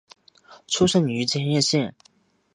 出身于千叶县。